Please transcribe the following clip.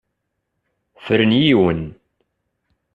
Fren yiwen.